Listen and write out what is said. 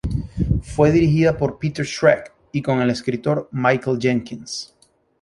Fue dirigida por Peter Schreck y con el escritor Michael Jenkins.